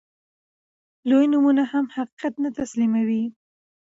لوی نومونه هم حقيقت نه تسليموي.